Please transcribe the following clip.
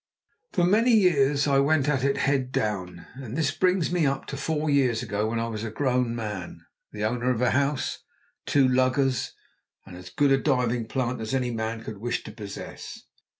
For many years I went at it head down, and this brings me up to four years ago, when I was a grown man, the owner of a house, two luggers, and as good a diving plant as any man could wish to possess.